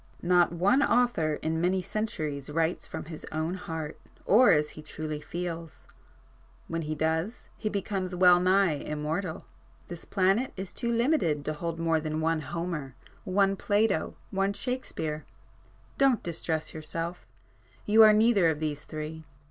Not one author in many centuries writes from his own heart or as he truly feels—when he does, he becomes well nigh immortal. This planet is too limited to hold more than one Homer, one Plato, one Shakespeare. Don't distress yourself—you are neither of these three!